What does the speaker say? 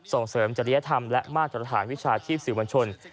ส่งเสริมจริยธรรมและมาตรฐานวิชาชีพสื่อมวลชน